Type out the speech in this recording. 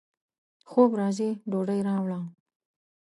خوب راځي ، ډوډۍ راوړه